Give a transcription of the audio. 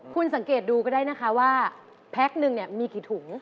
คุณสังเกตดูก็ได้นะคะว่าแพ็คนึงเนี่ยมีกี่ถุง